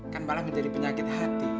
kan malah menjadi penyakit hati